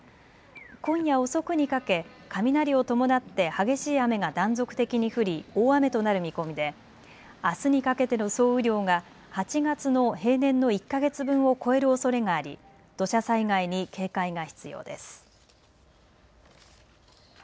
今夜遅くにかけ、雷を伴って激しい雨が断続的に降り大雨となる見込みであすにかけての総雨量が８月の平年の１か月分を超えるおそれがあり土砂災害に警戒が必要です。